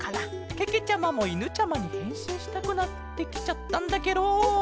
けけちゃまもいぬちゃまにへんしんしたくなってきちゃったんだケロ。